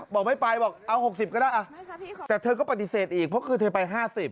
บอกไม่ไปบอกเอา๖๐ก็ได้แต่เธอก็ปฏิเสธอีกเพราะคือเธอไป๕๐